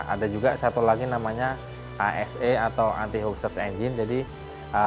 ada juga satu lagi namanya asa atau anti hoax search engine